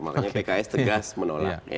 makanya pks tegas menolak